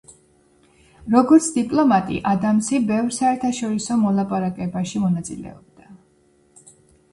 როგორც დიპლომატი ადამსი ბევრ საერთაშორისო მოლაპარაკებაში მონაწილეობდა.